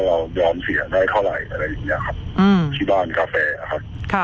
เรายอมเสียได้เท่าไหร่อะไรอย่างเงี้ยครับที่บ้านกาแฟอะครับ